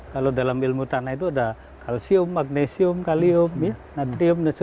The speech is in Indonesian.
kalau dalam ilmu tanah itu ada kalsium magnesium kalium natrium dan lainnya